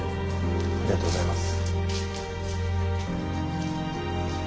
ありがとうございます。